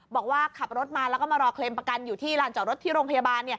บอกว่าขับรถมาแล้วก็มารอเคลมประกันอยู่ที่ลานจอดรถที่โรงพยาบาล